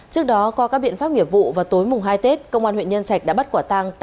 trước đó qua các biện pháp nghiệp vụ vào tối mùng hai tết công an huyện nhân trạch đã bắt quả tang